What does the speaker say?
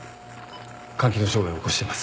肝機能障害を起こしています。